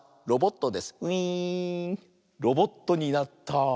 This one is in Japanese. ロボットになった。